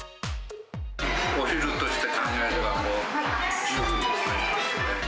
お昼として考えれば、もう充分ですね。